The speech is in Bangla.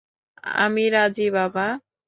আমি রাজি, বাবা।